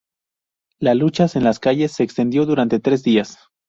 La luchas en las calles se extendió durante tres días.